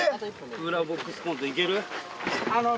クーラーボックスコント、いける？